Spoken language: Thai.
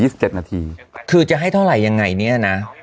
สิบเจ็ดนาทีคือจะให้เท่าไหร่ยังไงเนี้ยนะ